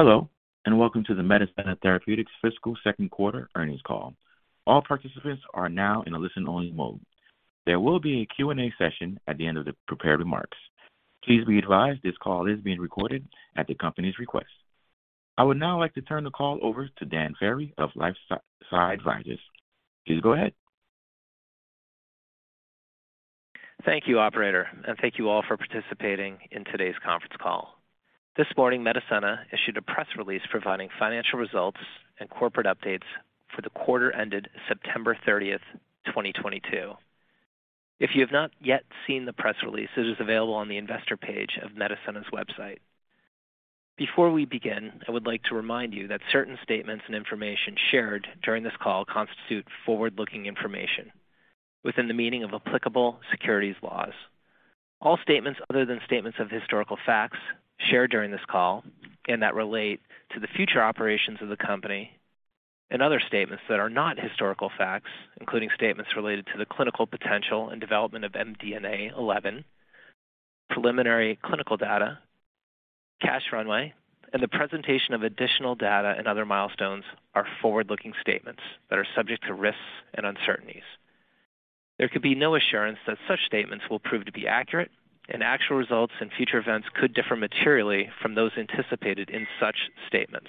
Hello, and welcome to the Medicenna Therapeutics fiscal second quarter earnings call. All participants are now in a listen-only mode. There will be a Q&A session at the end of the prepared remarks. Please be advised this call is being recorded at the company's request. I would now like to turn the call over to Dan Ferry of LifeSci Advisors. Please go ahead. Thank you operator, and thank you all for participating in today's conference call. This morning, Medicenna issued a press release providing financial results and corporate updates for the quarter ended September 30, 2022. If you have not yet seen the press release, it is available on the investor page of Medicenna's website. Before we begin, I would like to remind you that certain statements and information shared during this call constitute forward-looking information within the meaning of applicable securities laws. All statements other than statements of historical facts shared during this call and that relate to the future operations of the company and other statements that are not historical facts, including statements related to the clinical potential and development of MDNA11, preliminary clinical data, cash runway, and the presentation of additional data and other milestones are forward-looking statements that are subject to risks and uncertainties. There can be no assurance that such statements will prove to be accurate, and actual results and future events could differ materially from those anticipated in such statements.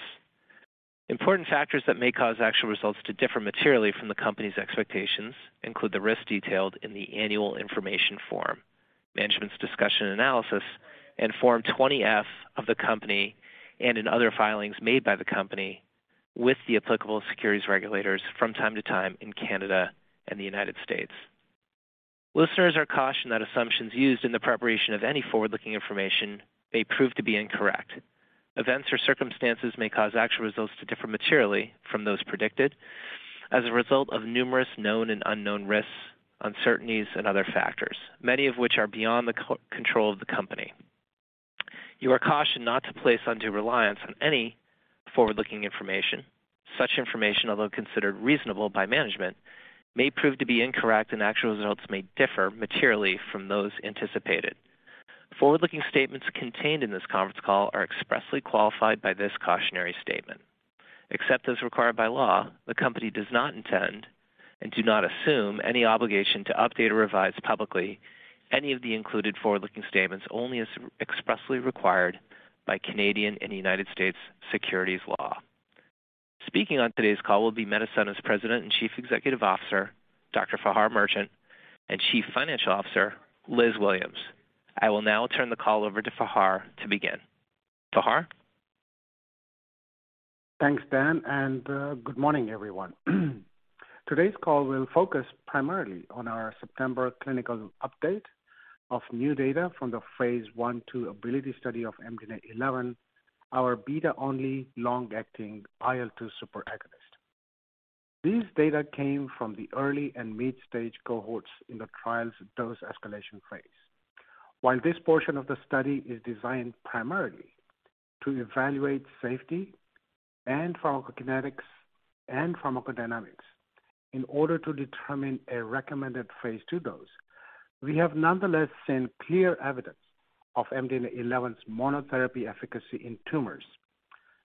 Important factors that may cause actual results to differ materially from the company's expectations include the risks detailed in the annual information form, management's discussion and analysis and Form 20-F of the company, and in other filings made by the company with the applicable securities regulators from time to time in Canada and the United States. Listeners are cautioned that assumptions used in the preparation of any forward-looking information may prove to be incorrect. Events or circumstances may cause actual results to differ materially from those predicted as a result of numerous known and unknown risks, uncertainties, and other factors, many of which are beyond the control of the company. You are cautioned not to place undue reliance on any forward-looking information. Such information, although considered reasonable by management, may prove to be incorrect, and actual results may differ materially from those anticipated. Forward-looking statements contained in this conference call are expressly qualified by this cautionary statement. Except as required by law, the company does not intend and do not assume any obligation to update or revise publicly any of the included forward-looking statements, only as expressly required by Canadian and United States securities law. Speaking on today's call will be Medicenna's President and Chief Executive Officer, Dr. Fahar Merchant, and Chief Financial Officer, Liz Williams. I will now turn the call over to Fahar to begin. Fahar? Thanks, Dan, and good morning, everyone. Today's call will focus primarily on our September clinical update of new data from the Phase 1/2 ABILITY-1 study of MDNA11, our beta-only long-acting IL-2 superagonist. These data came from the early and midstage cohorts in the trial's dose escalation phase. While this portion of the study is designed primarily to evaluate safety and pharmacokinetics and pharmacodynamics in order to determine a recommended Phase 2 dose, we have nonetheless seen clear evidence of MDNA11's monotherapy efficacy in tumors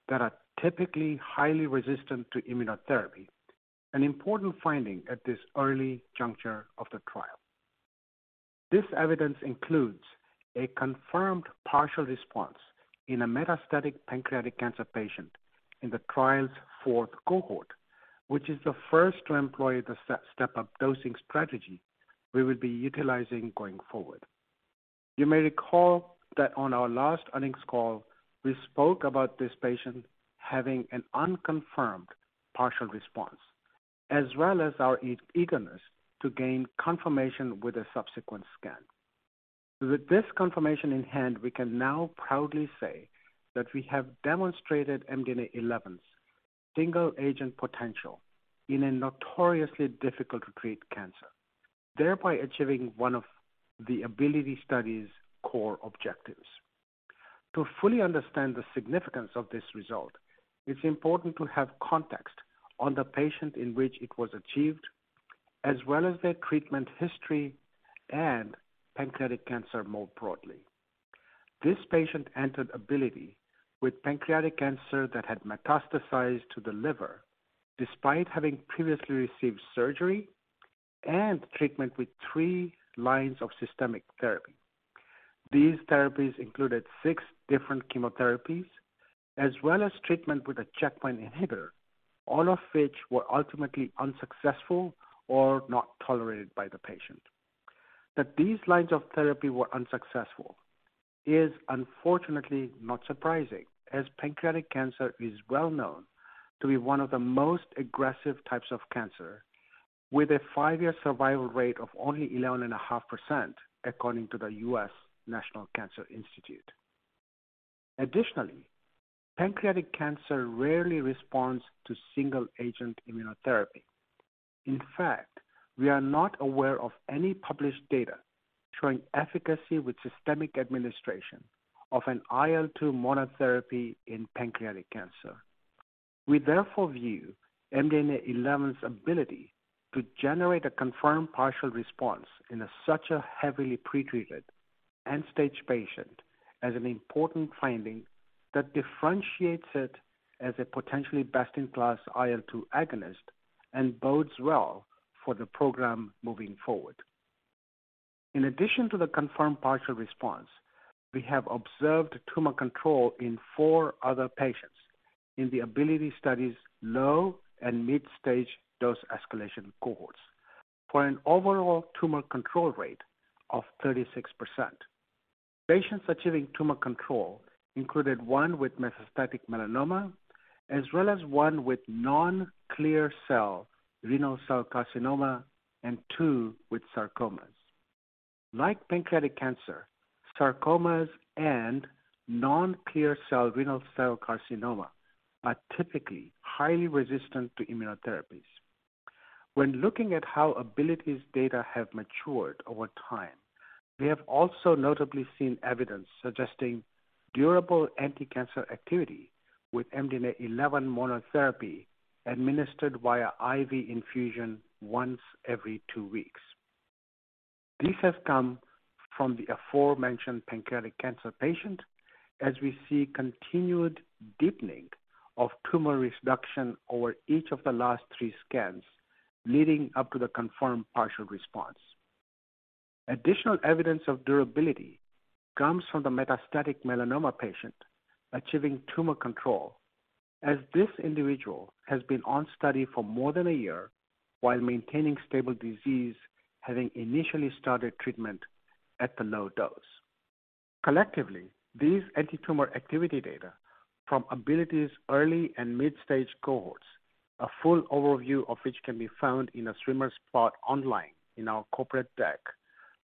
that are typically highly resistant to immunotherapy, an important finding at this early juncture of the trial. This evidence includes a confirmed partial response in a metastatic pancreatic cancer patient in the trial's fourth cohort, which is the first to employ the step-up dosing strategy we will be utilizing going forward. You may recall that on our last earnings call, we spoke about this patient having an unconfirmed partial response, as well as our eagerness to gain confirmation with a subsequent scan. With this confirmation in hand, we can now proudly say that we have demonstrated MDNA11's single-agent potential in a notoriously difficult to treat cancer, thereby achieving one of the ABILITY-1 study's core objectives. To fully understand the significance of this result, it's important to have context on the patient in which it was achieved, as well as their treatment history and pancreatic cancer more broadly. This patient entered ABILITY-1 with pancreatic cancer that had metastasized to the liver, despite having previously received surgery and treatment with three lines of systemic therapy. These therapies included six different chemotherapies as well as treatment with a checkpoint inhibitor, all of which were ultimately unsuccessful or not tolerated by the patient. That these lines of therapy were unsuccessful is unfortunately not surprising, as pancreatic cancer is well known to be one of the most aggressive types of cancer, with a five-year survival rate of only 11.5%, according to the U.S. National Cancer Institute. Additionally, pancreatic cancer rarely responds to single-agent immunotherapy. In fact, we are not aware of any published data showing efficacy with systemic administration of an IL-2 monotherapy in pancreatic cancer. We therefore view MDNA11's ability to generate a confirmed partial response in such a heavily pretreated end-stage patient as an important finding that differentiates it as a potentially best-in-class IL-2 agonist and bodes well for the program moving forward. In addition to the confirmed partial response, we have observed tumor control in 4 other patients in the ABILITY-1 study's low and mid stage dose escalation cohorts, for an overall tumor control rate of 36%. Patients achieving tumor control included one with metastatic melanoma, as well as one with non-clear cell renal cell carcinoma, and two with sarcomas. Like pancreatic cancer, sarcomas and non-clear cell renal cell carcinoma are typically highly resistant to immunotherapies. When looking at how ABILITY-1's data have matured over time, we have also notably seen evidence suggesting durable anticancer activity with MDNA11 monotherapy administered via IV infusion once every two weeks. This has come from the aforementioned pancreatic cancer patient as we see continued deepening of tumor reduction over each of the last 3 scans, leading up to the confirmed partial response. Additional evidence of durability comes from the metastatic melanoma patient achieving tumor control, as this individual has been on study for more than a year while maintaining stable disease, having initially started treatment at the low dose. Collectively, these antitumor activity data from ABILITY-1's early and mid-stage cohorts, a full overview of which can be found in a streamer spot online in our corporate deck,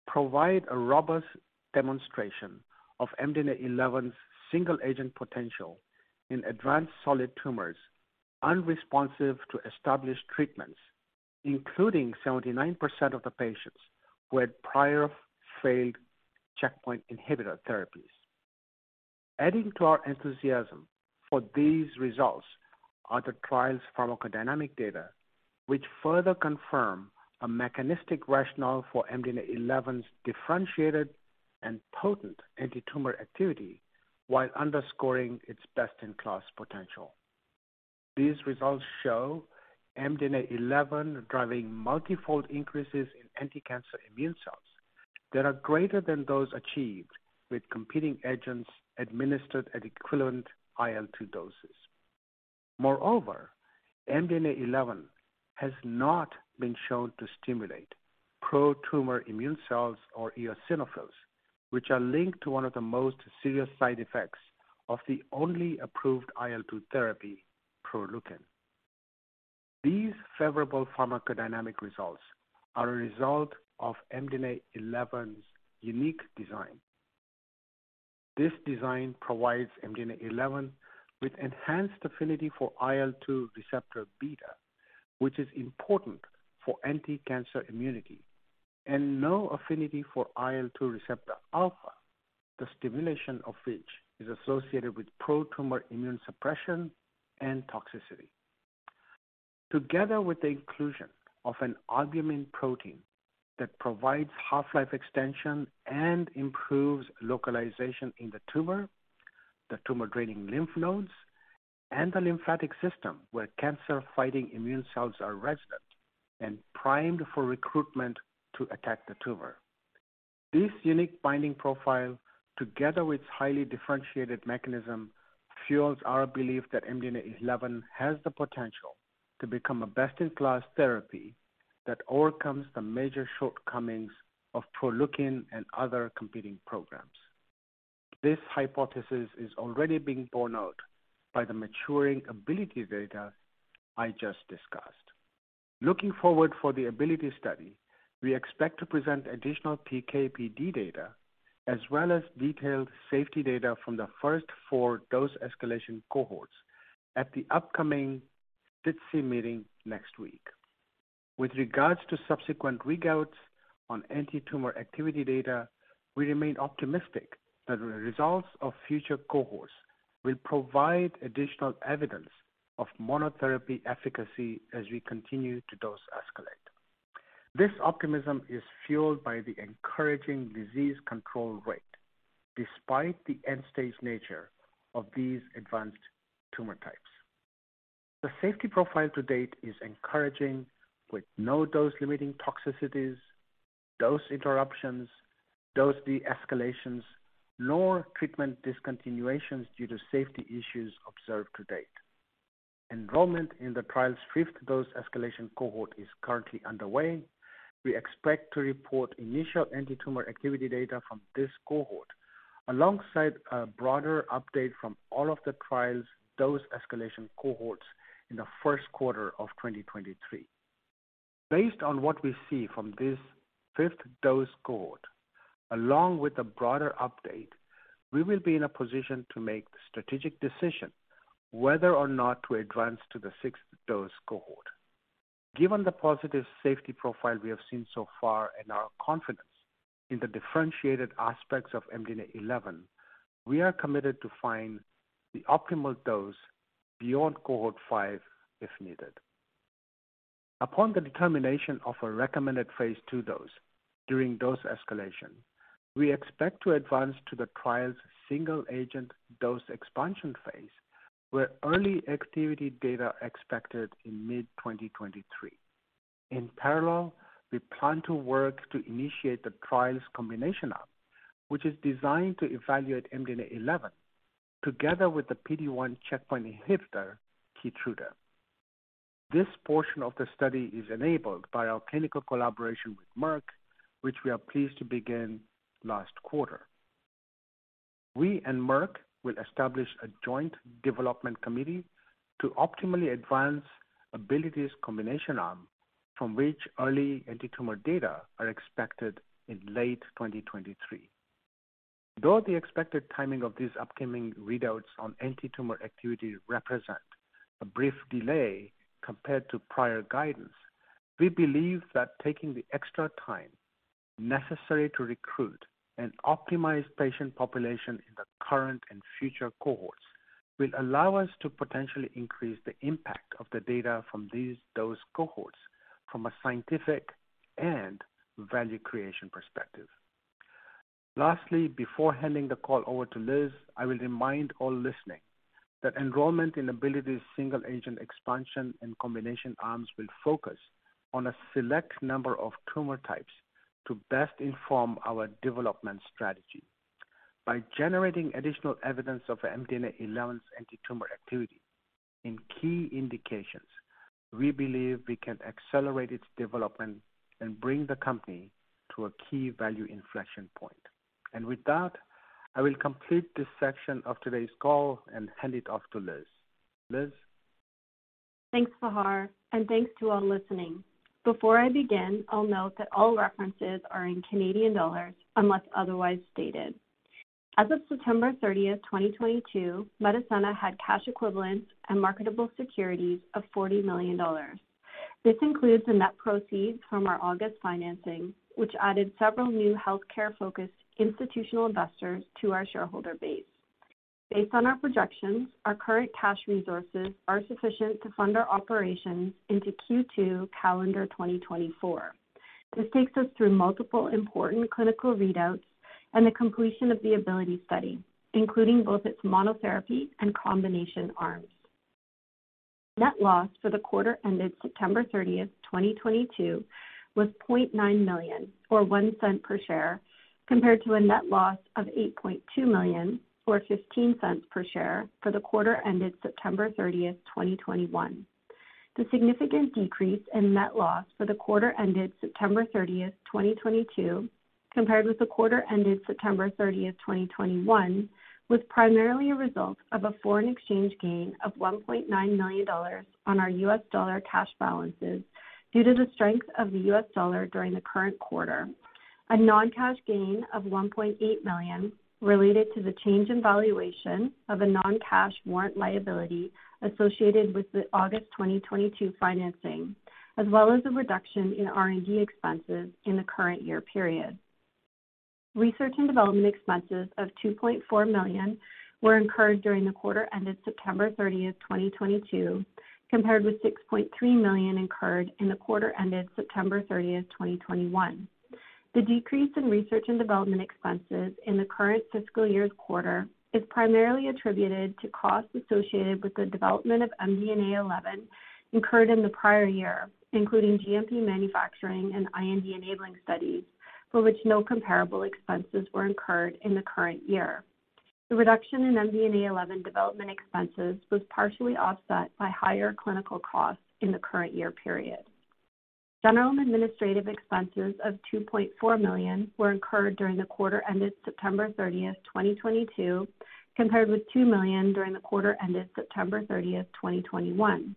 provide a robust demonstration of MDNA11's single-agent potential in advanced solid tumors unresponsive to established treatments, including 79% of the patients who had prior failed checkpoint inhibitor therapies. Adding to our enthusiasm for these results are the trial's pharmacodynamic data, which further confirm a mechanistic rationale for MDNA11's differentiated and potent antitumor activity while underscoring its best-in-class potential. These results show MDNA11 driving multifold increases in anticancer immune cells that are greater than those achieved with competing agents administered at equivalent IL-2 doses. Moreover, MDNA11 has not been shown to stimulate pro-tumor immune cells or eosinophils, which are linked to one of the most serious side effects of the only approved IL-2 therapy, Proleukin. These favorable pharmacodynamic results are a result of MDNA11's unique design. This design provides MDNA11 with enhanced affinity for IL-2 receptor beta, which is important for anticancer immunity, and no affinity for IL-2 receptor alpha, the stimulation of which is associated with pro-tumor immune suppression and toxicity. Together with the inclusion of an albumin protein that provides half-life extension and improves localization in the tumor, the tumor-draining lymph nodes, and the lymphatic system where cancer-fighting immune cells are resident and primed for recruitment to attack the tumor. This unique binding profile, together with highly differentiated mechanism, fuels our belief that MDNA11 has the potential to become a best-in-class therapy that overcomes the major shortcomings of Proleukin and other competing programs. This hypothesis is already being borne out by the maturing ABILITY data I just discussed. Looking forward for the ABILITY study, we expect to present additional PK/PD data as well as detailed safety data from the first four dose escalation cohorts at the upcoming SITC meeting next week. With regards to subsequent readouts on antitumor activity data, we remain optimistic that the results of future cohorts will provide additional evidence of monotherapy efficacy as we continue to dose escalate. This optimism is fueled by the encouraging disease control rate despite the end-stage nature of these advanced tumor types. The safety profile to date is encouraging, with no dose-limiting toxicities, dose interruptions, dose de-escalations, nor treatment discontinuations due to safety issues observed to date. Enrollment in the trial's fifth dose escalation cohort is currently underway. We expect to report initial antitumor activity data from this cohort alongside a broader update from all of the trial's dose escalation cohorts in the first quarter of 2023. Based on what we see from this fifth dose cohort, along with a broader update, we will be in a position to make the strategic decision whether or not to advance to the sixth dose cohort. Given the positive safety profile we have seen so far and our confidence in the differentiated aspects of MDNA11, we are committed to find the optimal dose beyond cohort five if needed. Upon the determination of a recommended phase 2 dose during dose escalation, we expect to advance to the trial's single-agent dose expansion phase, with early activity data expected in mid-2023. In parallel, we plan to work to initiate the trial's combination arm, which is designed to evaluate MDNA11 together with the PD-1 checkpoint inhibitor Keytruda. This portion of the study is enabled by our clinical collaboration with Merck, which we are pleased to begin last quarter. We and Merck will establish a joint development committee to optimally advance ABILITY-1's combination arm, from which early antitumor data are expected in late 2023. Though the expected timing of these upcoming readouts on antitumor activity represent a brief delay compared to prior guidance, we believe that taking the extra time necessary to recruit an optimized patient population in the current and future cohorts will allow us to potentially increase the impact of the data from these dose cohorts from a scientific and value creation perspective. Lastly, before handing the call over to Liz, I will remind all listening that enrollment in ABILITY's single-agent expansion and combination arms will focus on a select number of tumor types to best inform our development strategy. By generating additional evidence of MDNA11's antitumor activity in key indications, we believe we can accelerate its development and bring the company to a key value inflection point. With that, I will complete this section of today's call and hand it off to Liz. Liz? Thanks, Fahar, and thanks to all listening. Before I begin, I'll note that all references are in Canadian dollars unless otherwise stated. As of September thirtieth, 2022, Medicenna had cash equivalents and marketable securities of 40 million dollars. This includes the net proceeds from our August financing, which added several new healthcare-focused institutional investors to our shareholder base. Based on our projections, our current cash resources are sufficient to fund our operations into Q2 calendar 2024. This takes us through multiple important clinical readouts and the completion of the ABILITY-1 study, including both its monotherapy and combination arms. Net loss for the quarter ended September thirtieth, 2022 was 0.9 million, or 0.01 per share, compared to a net loss of 8.2 million, or 0.15 per share for the quarter ended September thirtieth, 2021. The significant decrease in net loss for the quarter ended September 30, 2022, compared with the quarter ended September 30, 2021, was primarily a result of a foreign exchange gain of $1.9 million on our US dollar cash balances due to the strength of the US dollar during the current quarter. A non-cash gain of 1.8 million related to the change in valuation of a non-cash warrant liability associated with the August 2022 financing, as well as a reduction in R&D expenses in the current year period. Research and development expenses of 2.4 million were incurred during the quarter ended September 30, 2022, compared with 6.3 million incurred in the quarter ended September 30, 2021. The decrease in research and development expenses in the current fiscal year's quarter is primarily attributed to costs associated with the development of MDNA11 incurred in the prior year, including GMP manufacturing and IND enabling studies for which no comparable expenses were incurred in the current year. The reduction in MDNA11 development expenses was partially offset by higher clinical costs in the current year period. General and administrative expenses of 2.4 million were incurred during the quarter ended September 30, 2022, compared with 2 million during the quarter ended September 30, 2021.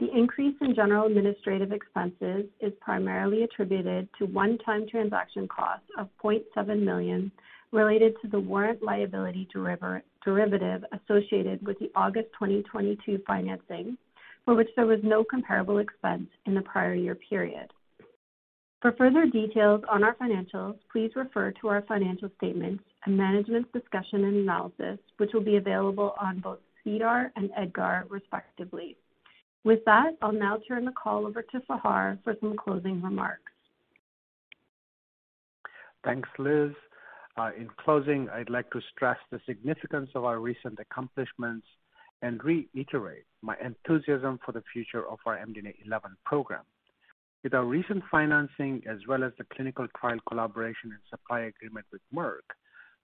The increase in general administrative expenses is primarily attributed to one-time transaction costs of 0.7 million related to the warrant liability derivative associated with the August 2022 financing, for which there was no comparable expense in the prior year period. For further details on our financials, please refer to our financial statements and management's discussion and analysis, which will be available on both SEDAR and EDGAR, respectively. With that, I'll now turn the call over to Fahar for some closing remarks. Thanks, Liz. In closing, I'd like to stress the significance of our recent accomplishments and reiterate my enthusiasm for the future of our MDNA11 program. With our recent financing, as well as the clinical trial collaboration and supply agreement with Merck,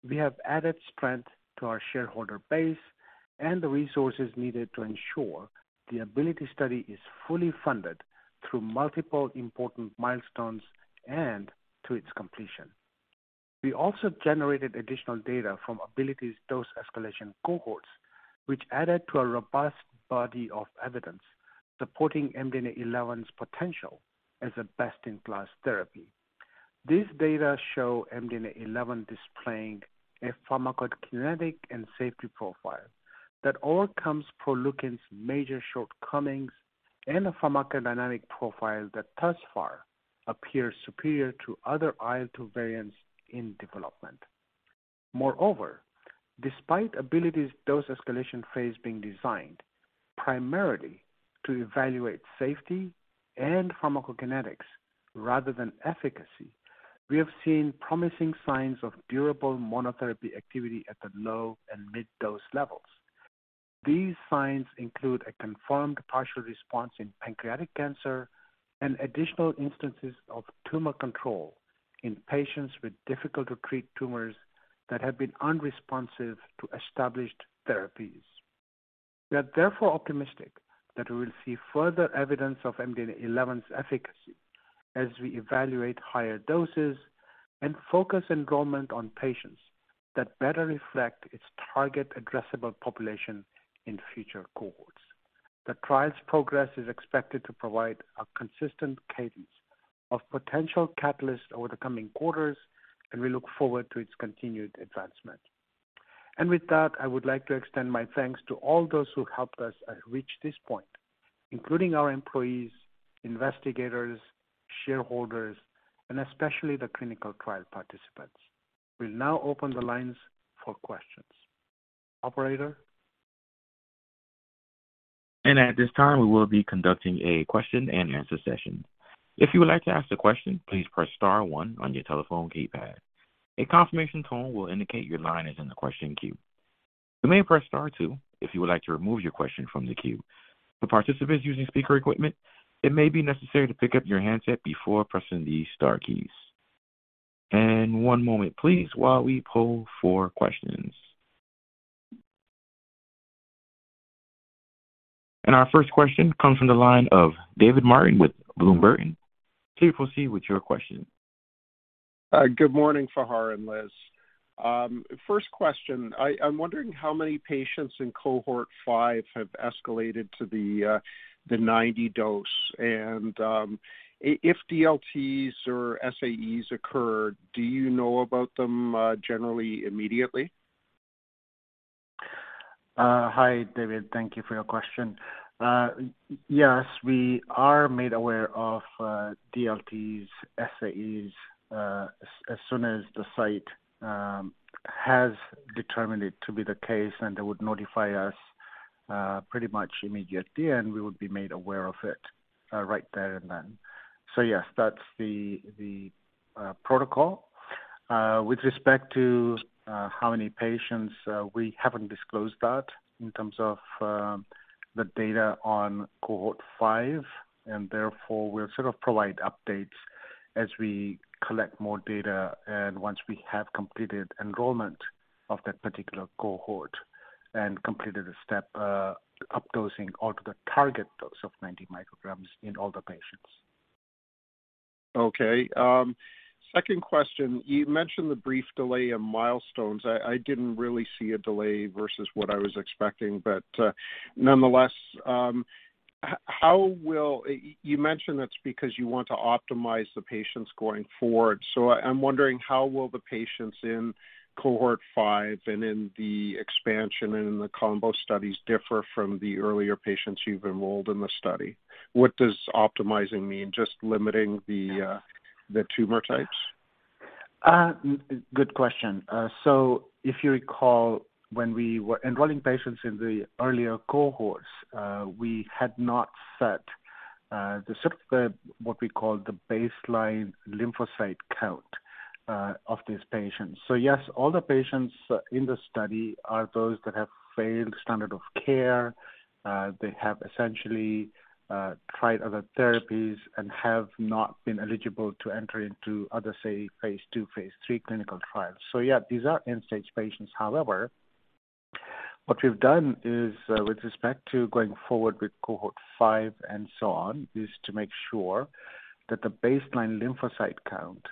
we have added strength to our shareholder base and the resources needed to ensure the ABILITY-1 study is fully funded through multiple important milestones and to its completion. We also generated additional data from ABILITY-1's dose escalation cohorts, which added to a robust body of evidence supporting MDNA11's potential as a best-in-class therapy. This data show MDNA11 displaying a pharmacokinetic and safety profile that overcomes Proleukin's major shortcomings and a pharmacodynamic profile that thus far appears superior to other IL-2 variants in development. Moreover, despite ABILITY-1's dose escalation phase being designed primarily to evaluate safety and pharmacokinetics rather than efficacy, we have seen promising signs of durable monotherapy activity at the low and mid-dose levels. These signs include a confirmed partial response in pancreatic cancer and additional instances of tumor control in patients with difficult to treat tumors that have been unresponsive to established therapies. We are therefore optimistic that we will see further evidence of MDNA11's efficacy as we evaluate higher doses and focus enrollment on patients that better reflect its target addressable population in future cohorts. The trial's progress is expected to provide a consistent cadence of potential catalysts over the coming quarters, and we look forward to its continued advancement. With that, I would like to extend my thanks to all those who helped us reach this point, including our employees, investigators, shareholders, and especially the clinical trial participants. We'll now open the lines for questions. Operator. At this time, we will be conducting a question and answer session. If you would like to ask a question, please press star one on your telephone keypad. A confirmation tone will indicate your line is in the question queue. You may press star two if you would like to remove your question from the queue. For participants using speaker equipment, it may be necessary to pick up your handset before pressing the star keys. One moment please while we poll for questions. Our first question comes from the line of David Martin with Bloom Burton. Please proceed with your question. Good morning, Fahar and Liz. First question. I'm wondering how many patients in cohort five have escalated to the 90 dose, and if DLTs or SAEs occur, do you know about them generally immediately? Hi, David. Thank you for your question. Yes, we are made aware of DLTs, SAEs, as soon as the site has determined it to be the case, and they would notify us pretty much immediately, and we would be made aware of it right there and then. Yes, that's the protocol. With respect to how many patients, we haven't disclosed that in terms of the data on cohort five, and therefore we'll sort of provide updates as we collect more data and once we have completed enrollment of that particular cohort and completed a step updosing or to the target dose of 90 micrograms in all the patients. Okay. Second question. You mentioned the brief delay in milestones. I didn't really see a delay versus what I was expecting, but nonetheless, you mentioned that's because you want to optimize the patients going forward. So I'm wondering how will the patients in Cohort 5 and in the expansion and in the combo studies differ from the earlier patients you've enrolled in the study? What does optimizing mean? Just limiting the tumor types? Good question. If you recall, when we were enrolling patients in the earlier cohorts, we had not set the sort of what we call the baseline lymphocyte count of these patients. Yes, all the patients in the study are those that have failed standard of care. They have essentially tried other therapies and have not been eligible to enter into other, say, phase 2, phase 3 clinical trials. Yeah, these are end-stage patients. However, what we've done is, with respect to going forward with cohort 5 and so on, is to make sure that the baseline lymphocyte count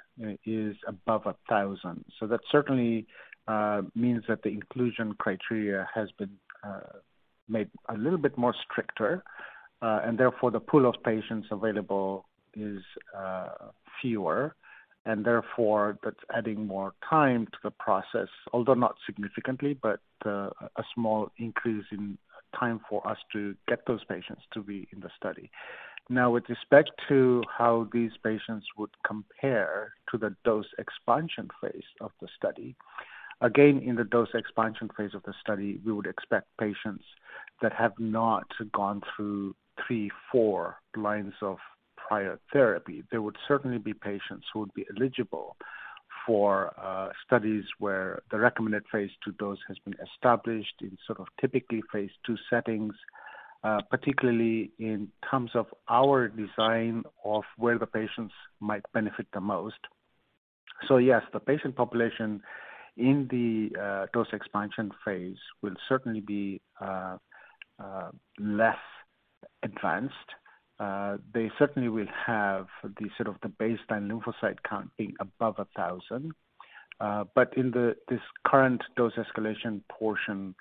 is above 1,000. That certainly means that the inclusion criteria has been made a little bit more stricter and therefore the pool of patients available is fewer and therefore that's adding more time to the process, although not significantly, but a small increase in time for us to get those patients to be in the study. Now, with respect to how these patients would compare to the dose expansion phase of the study, again, in the dose expansion phase of the study, we would expect patients that have not gone through 3, 4 lines of prior therapy. There would certainly be patients who would be eligible for studies where the recommended phase two dose has been established in sort of typically phase two settings, particularly in terms of our design of where the patients might benefit the most. Yes, the patient population in the dose expansion phase will certainly be less advanced. They certainly will have the sort of baseline lymphocyte count being above 1,000. But in this current dose escalation portion,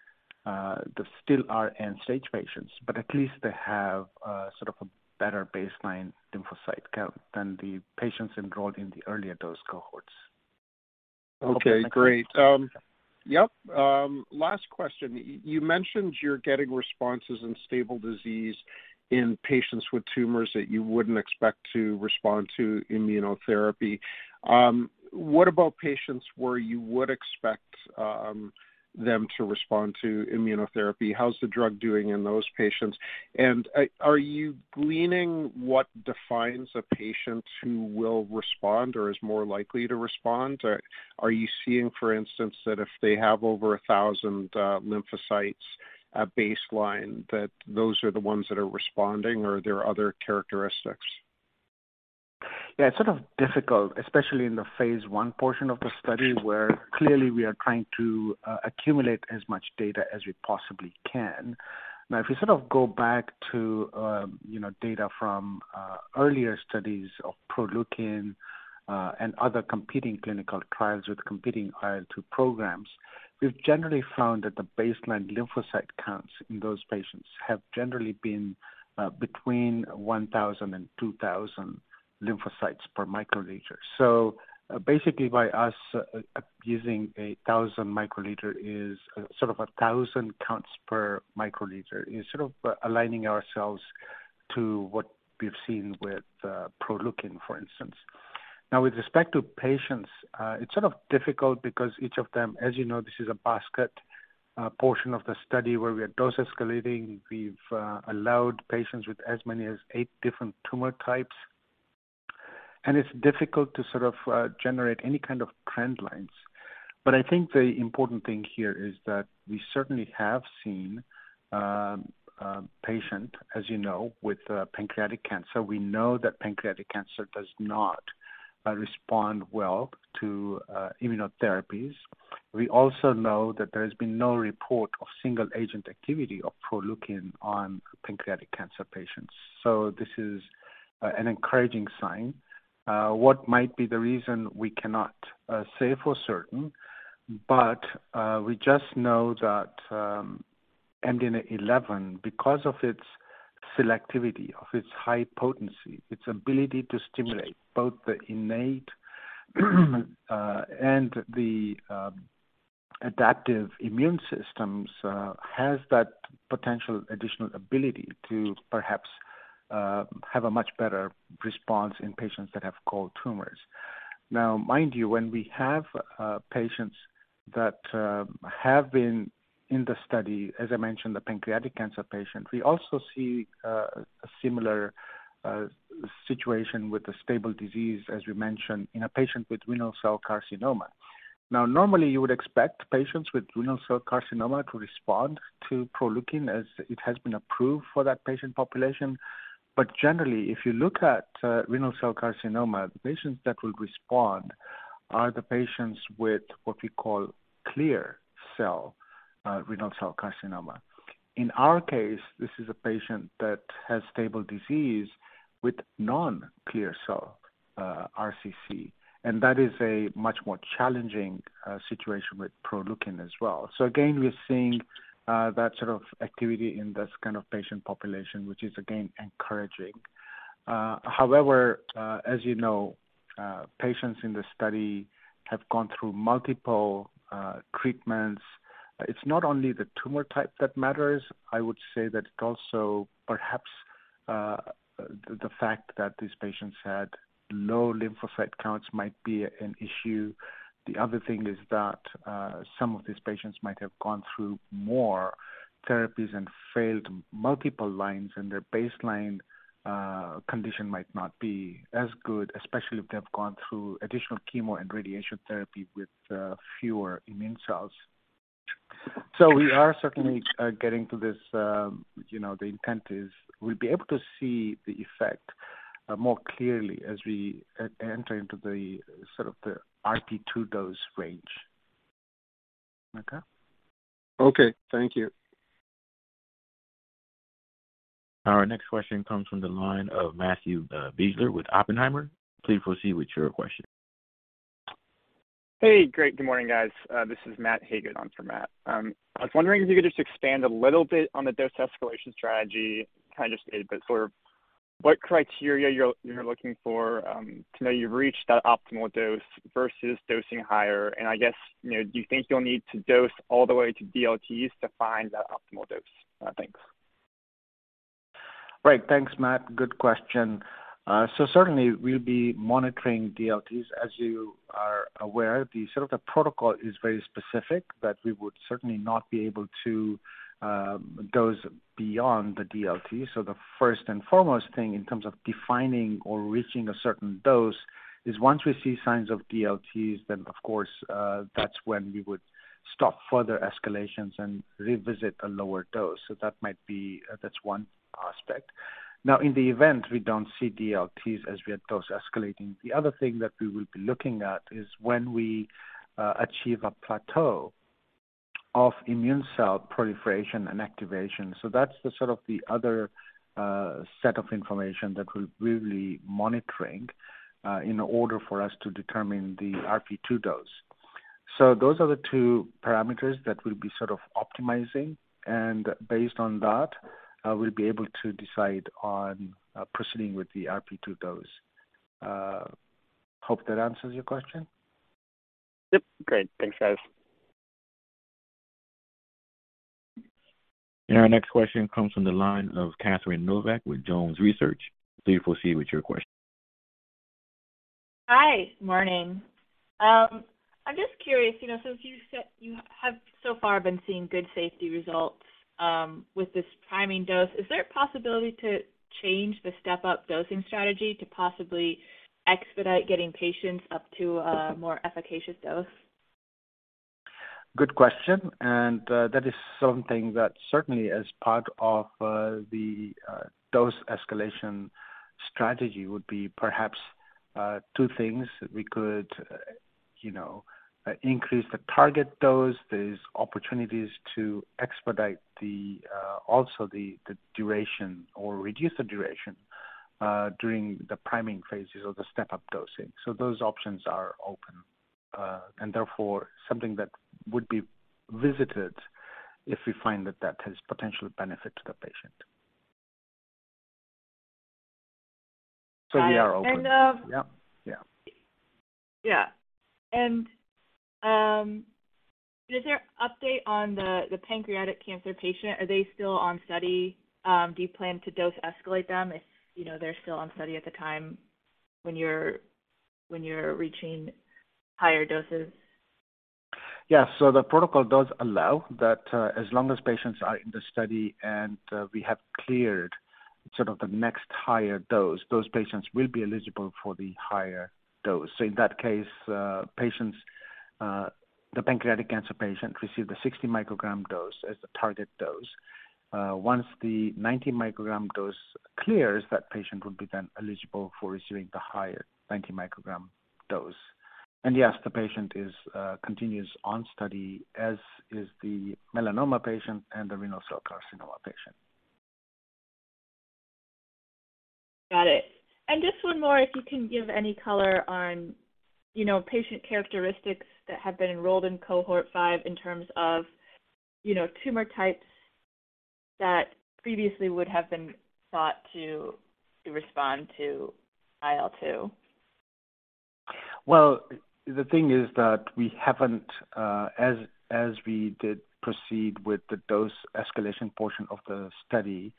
they still are end-stage patients, but at least they have sort of a better baseline lymphocyte count than the patients enrolled in the earlier dose cohorts. Okay, great. Last question. You mentioned you're getting responses in stable disease in patients with tumors that you wouldn't expect to respond to immunotherapy. What about patients where you would expect them to respond to immunotherapy? How's the drug doing in those patients? Are you gleaning what defines a patient who will respond or is more likely to respond? Or are you seeing, for instance, that if they have over 1,000 lymphocytes at baseline, that those are the ones that are responding or are there other characteristics? Yeah, it's sort of difficult, especially in the phase 1 portion of the study, where clearly we are trying to accumulate as much data as we possibly can. If you sort of go back to data from earlier studies of Proleukin and other competing clinical trials with competing IL-2 programs, we've generally found that the baseline lymphocyte counts in those patients have generally been between 1,000 and 2,000 lymphocytes per microliter. So basically by us using a thousand microliter is sort of a thousand counts per microliter is sort of aligning ourselves to what we've seen with Proleukin, for instance. Now with respect to patients, it's sort of difficult because each of them, as you know, this is a basket portion of the study where we are dose escalating. We've allowed patients with as many as eight different tumor types, and it's difficult to sort of generate any kind of trend lines. I think the important thing here is that we certainly have seen a patient, as you know, with pancreatic cancer. We know that pancreatic cancer does not respond well to immunotherapies. We also know that there has been no report of single agent activity of Proleukin on pancreatic cancer patients. This is an encouraging sign. What might be the reason, we cannot say for certain, but we just know that MDNA11, because of its selectivity, of its high potency, its ability to stimulate both the innate and the adaptive immune systems, has that potential additional ability to perhaps have a much better response in patients that have cold tumors. Now, mind you, when we have patients that have been in the study, as I mentioned, the pancreatic cancer patient, we also see a similar situation with a stable disease, as we mentioned in a patient with renal cell carcinoma. Now, normally you would expect patients with renal cell carcinoma to respond to Proleukin as it has been approved for that patient population. Generally, if you look at renal cell carcinoma, the patients that will respond are the patients with what we call clear cell renal cell carcinoma. In our case, this is a patient that has stable disease with non-clear cell RCC, and that is a much more challenging situation with Proleukin as well. Again, we're seeing that sort of activity in this kind of patient population, which is again, encouraging. However, as you know, patients in the study have gone through multiple treatments. It's not only the tumor type that matters. I would say that it also perhaps the fact that these patients had low lymphocyte counts might be an issue. The other thing is that some of these patients might have gone through more therapies and failed multiple lines, and their baseline condition might not be as good, especially if they have gone through additional chemo and radiation therapy with fewer immune cells. We are certainly getting to this, you know, the intent is we'll be able to see the effect more clearly as we enter into the sort of the RP2 dose range. Okay. Okay. Thank you. Our next question comes from the line of Matthew Biegelsen with Oppenheimer. Please proceed with your question. Hey, great. Good morning, guys. This is Matt. I was wondering if you could just expand a little bit on the dose escalation strategy, kind of just a bit for what criteria you're looking for to know you've reached that optimal dose versus dosing higher. I guess, you know, do you think you'll need to dose all the way to DLTs to find that optimal dose? Thanks. Right. Thanks, Matt. Good question. Certainly we'll be monitoring DLTs. As you are aware, the protocol is very specific that we would certainly not be able to dose beyond the DLT. The first and foremost thing in terms of defining or reaching a certain dose is once we see signs of DLTs, then of course, that's when we would stop further escalations and revisit a lower dose. That might be. That's one aspect. Now, in the event we don't see DLTs as we are dose escalating, the other thing that we will be looking at is when we achieve a plateau of immune cell proliferation and activation. That's the other set of information that we're really monitoring in order for us to determine the RP2D. Those are the two parameters that we'll be sort of optimizing, and based on that, we'll be able to decide on proceeding with the RP2 dose. Hope that answers your question. Yep. Great. Thanks, guys. Our next question comes from the line of Katherine Novak with Jones Research. Please proceed with your question. Hi. Morning. I'm just curious, you know, since you said you have so far been seeing good safety results, with this priming dose, is there a possibility to change the step-up dosing strategy to possibly expedite getting patients up to a more efficacious dose? Good question, that is something that certainly as part of the dose escalation strategy would be perhaps two things. We could, you know, increase the target dose. There's opportunities to expedite also the duration or reduce the duration during the priming phases or the step-up dosing. Those options are open, and therefore something that would be visited if we find that has potential benefit to the patient. We are open. Got it. Yep. Yeah. Yeah. Is there update on the pancreatic cancer patient? Are they still on study? Do you plan to dose escalate them if, you know, they're still on study at the time when you're reaching higher doses? Yeah. The protocol does allow that, as long as patients are in the study and we have cleared sort of the next higher dose, those patients will be eligible for the higher dose. In that case, patients, the pancreatic cancer patient receive the 60 microgram dose as the target dose. Once the 90 microgram dose clears, that patient will be then eligible for receiving the higher 90 microgram dose. Yes, the patient continues on study, as is the melanoma patient and the renal cell carcinoma patient. Got it. Just one more, if you can give any color on, you know, patient characteristics that have been enrolled in cohort five in terms of, you know, tumor types that previously would have been thought to respond to IL-2? Well, the thing is that we haven't, as we did proceed with the dose escalation portion of the study,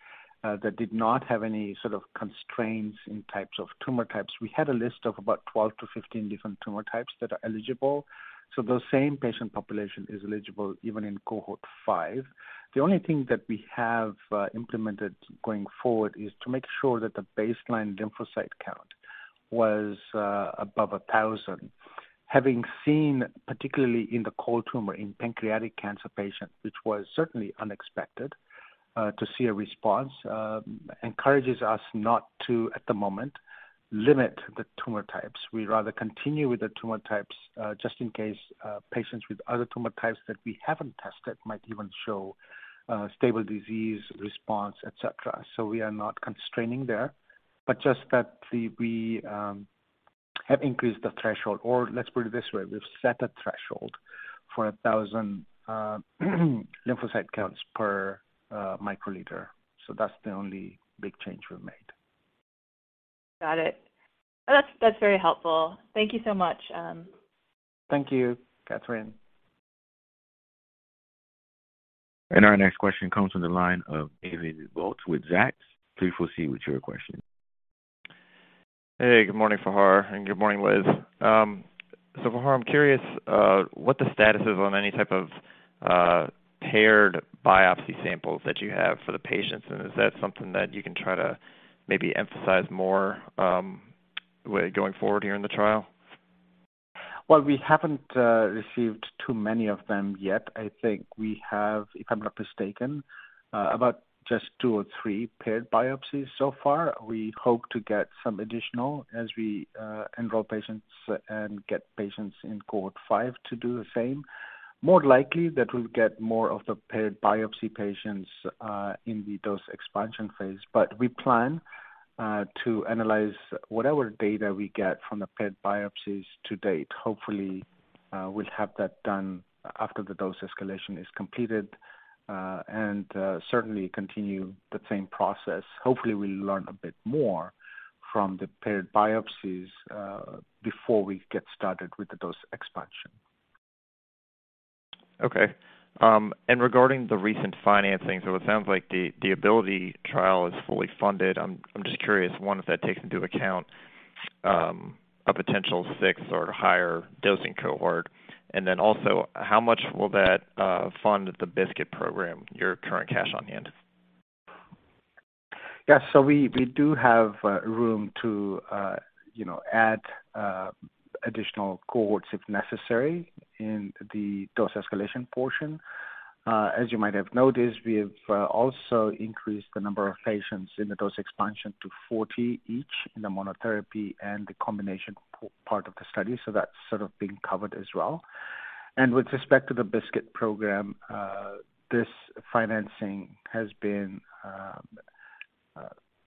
that did not have any sort of constraints in types of tumor types. We had a list of about 12-15 different tumor types that are eligible. Those same patient population is eligible even in cohort 5. The only thing that we have implemented going forward is to make sure that the baseline lymphocyte count was above 1,000. Having seen, particularly in the cold tumor in pancreatic cancer patients, which was certainly unexpected to see a response, encourages us not to, at the moment, limit the tumor types. We'd rather continue with the tumor types, just in case, patients with other tumor types that we haven't tested might even show stable disease response, etc. We are not constraining there, but just that we have increased the threshold or let's put it this way, we've set a threshold for 1,000 lymphocyte counts per microliter. That's the only big change we've made. Got it. That's very helpful. Thank you so much. Thank you, Katherine. Our next question comes from the line of David Bautz with Zacks. Please proceed with your question. Hey, good morning, Fahar, and good morning, Liz. Fahar, I'm curious, what the status is on any type of paired biopsy samples that you have for the patients, and is that something that you can try to maybe emphasize more, way going forward here in the trial? Well, we haven't received too many of them yet. I think we have, if I'm not mistaken, about just two or three paired biopsies so far. We hope to get some additional as we enroll patients and get patients in cohort five to do the same. More likely that we'll get more of the paired biopsy patients in the dose expansion phase. We plan to analyze whatever data we get from the paired biopsies to date. Hopefully, we'll have that done after the dose escalation is completed, and certainly continue the same process. Hopefully, we'll learn a bit more from the paired biopsies before we get started with the dose expansion. Okay. Regarding the recent financing, so it sounds like the ABILITY-1 trial is fully funded. I'm just curious, one, if that takes into account a potential sixth or higher dosing cohort. How much will that fund the BiSKITs program, your current cash on hand? Yes. We do have room to, you know, add additional cohorts if necessary in the dose escalation portion. As you might have noticed, we have also increased the number of patients in the dose expansion to 40 each in the monotherapy and the combination part of the study, so that's sort of being covered as well. With respect to the BiSKITs program, this financing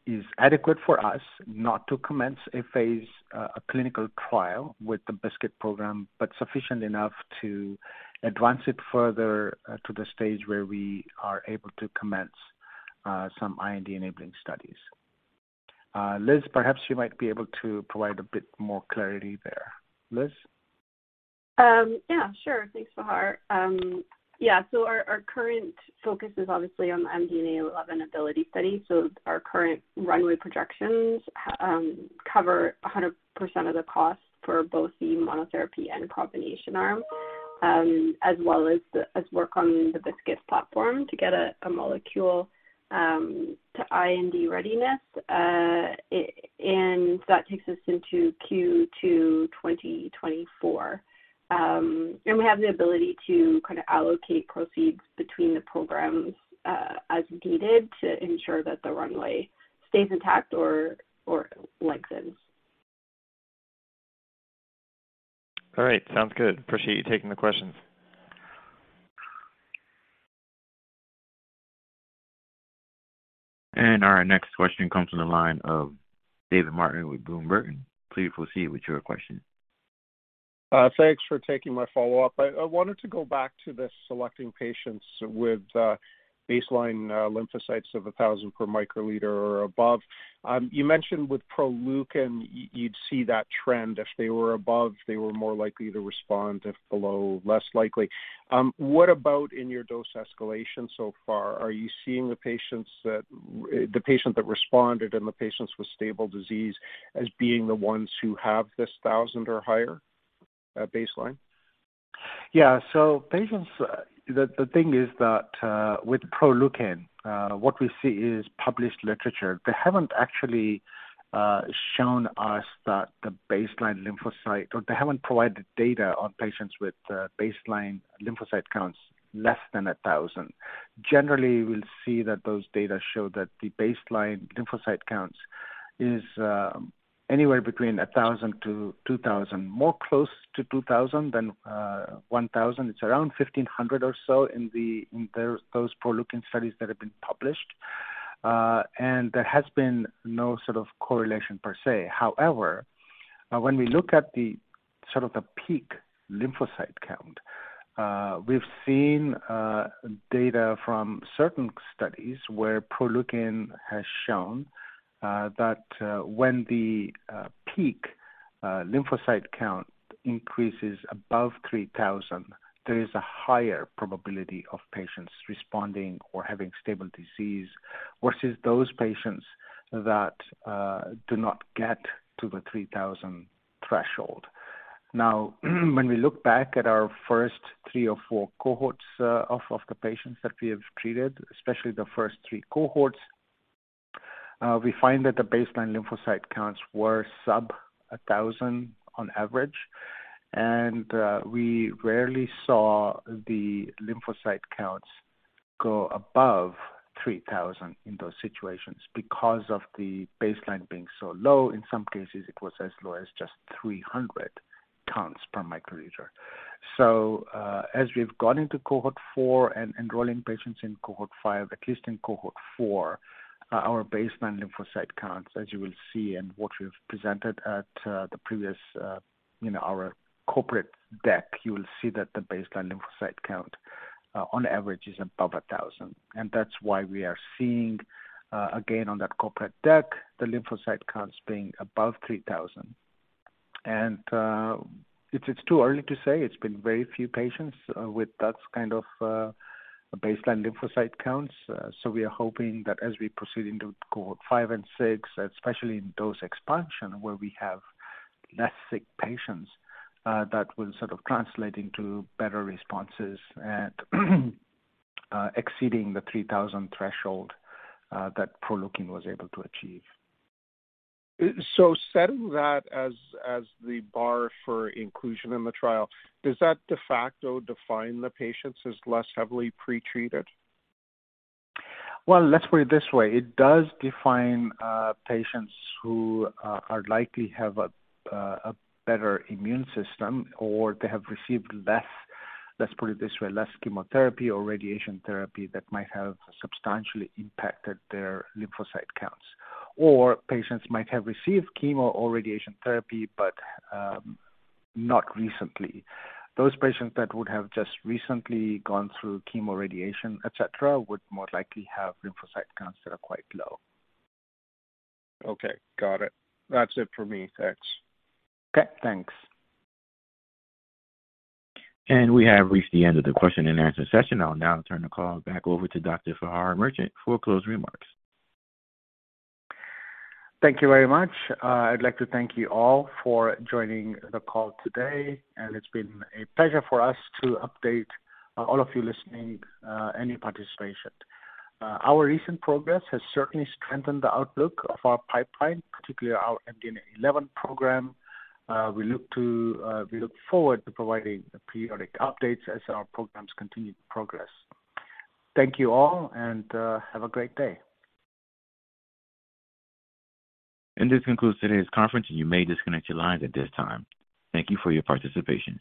is adequate for us not to commence a phase a clinical trial with the BiSKITs program, but sufficient enough to advance it further to the stage where we are able to commence some IND-enabling studies. Liz, perhaps you might be able to provide a bit more clarity there. Liz? Yeah, sure. Thanks, Fahar. Our current focus is obviously on the MDNA11 ABILITY-1 study. Our current runway projections cover 100% of the cost for both the monotherapy and combination arm, as well as work on the BiSKITs platform to get a molecule to IND readiness. And that takes us into Q2 2024. We have the ability to kind of allocate proceeds between the programs as needed to ensure that the runway stays intact or lengthens. All right. Sounds good. Appreciate you taking the questions. Our next question comes from the line of David Martin with Bloom Burton. Please proceed with your question. Thanks for taking my follow-up. I wanted to go back to this selecting patients with baseline lymphocytes of 1,000 per microliter or above. You mentioned with Proleukin you'd see that trend. If they were above, they were more likely to respond, if below, less likely. What about in your dose escalation so far? Are you seeing the patient that responded and the patients with stable disease as being the ones who have this 1,000 or higher baseline? Yeah. Patients. The thing is that with Proleukin, what we see is published literature. They haven't actually shown us that the baseline lymphocyte or they haven't provided data on patients with baseline lymphocyte counts less than 1,000. Generally, we'll see that those data show that the baseline lymphocyte counts is anywhere between 1,000 to 2,000, more close to 2,000 than one thousand. It's around 1,500 or so in those Proleukin studies that have been published. There has been no sort of correlation per se. However, when we look at the peak lymphocyte count, we've seen data from certain studies where Proleukin has shown that when the peak lymphocyte count increases above 3,000, there is a higher probability of patients responding or having stable disease versus those patients that do not get to the 3,000 threshold. Now, when we look back at our first three or four cohorts of the patients that we have treated, especially the first three cohorts, we find that the baseline lymphocyte counts were sub 1,000 on average. We rarely saw the lymphocyte counts go above 3,000 in those situations because of the baseline being so low. In some cases, it was as low as just 300 counts per microliter. As we've gone into cohort four and enrolling patients in cohort five, at least in cohort four, our baseline lymphocyte counts, as you will see and what we've presented at the previous, you know, our corporate deck, you will see that the baseline lymphocyte count, on average is above 1,000. That's why we are seeing, again, on that corporate deck, the lymphocyte counts being above 3,000. It's too early to say. It's been very few patients with that kind of baseline lymphocyte counts. We are hoping that as we proceed into cohort five and six, especially in those expansion where we have less sick patients, that will sort of translate into better responses at exceeding the 3,000 threshold that Proleukin was able to achieve. setting that as the bar for inclusion in the trial, does that de facto define the patients as less heavily pretreated? Well, let's put it this way. It does define patients who are likely to have a better immune system or they have received less, let's put it this way, less chemotherapy or radiation therapy that might have substantially impacted their lymphocyte counts. Patients might have received chemo or radiation therapy, but not recently. Those patients that would have just recently gone through chemo, radiation, etcetera, would more likely have lymphocyte counts that are quite low. Okay. Got it. That's it for me. Thanks. Okay. Thanks. We have reached the end of the question and answer session. I'll now turn the call back over to Dr. Fahar Merchant for closing remarks. Thank you very much. I'd like to thank you all for joining the call today, and it's been a pleasure for us to update all of you listening, and your participation. Our recent progress has certainly strengthened the outlook of our pipeline, particularly our MDNA11 program. We look forward to providing periodic updates as our programs continue to progress. Thank you all, and have a great day. This concludes today's conference, and you may disconnect your lines at this time. Thank you for your participation.